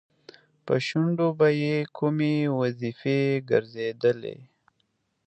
په شونډو به یې کومې وظیفې ګرځېدلې؟